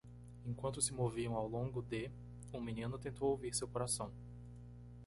Enquanto se moviam ao longo de?, o menino tentou ouvir seu coração.